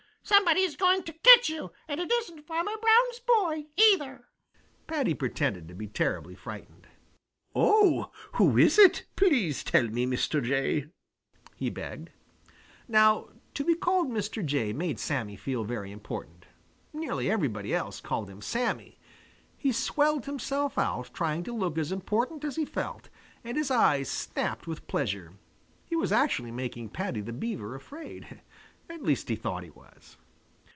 Somebody is going to catch you, and it isn't Farmer Brown's boy either!" Paddy pretended to be terribly frightened. "Oh, who is it? Please tell me, Mr. Jay," he begged. Now to be called Mr. Jay made Sammy feel very important. Nearly everybody else called him Sammy. He swelled himself out trying to look as important as he felt, and his eyes snapped with pleasure. He was actually making Paddy the Beaver afraid. At least he thought he was.